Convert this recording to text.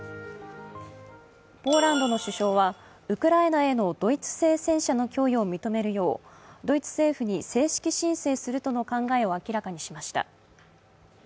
ポーランドの首相はウクライナへのドイツ製戦車の供与を認めるよう、ドイツ政府に正式申請するとの考えを明らかにしました。